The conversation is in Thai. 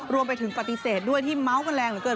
รวมไปถึงปฏิเสธด้วยที่เมาส์กันแรงเหลือเกิน